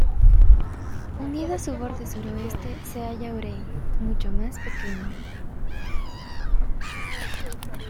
Unido a su borde suroeste se halla Urey, mucho más pequeño.